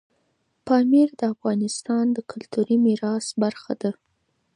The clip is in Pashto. پامیر د افغانستان د کلتوري میراث برخه ده.